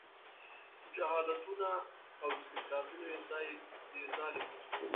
جهالتونو او استبدادونو یې ځالې کړي.